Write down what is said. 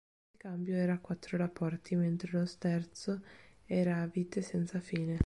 Il cambio era a quattro rapporti, mentre lo sterzo era a vite senza fine.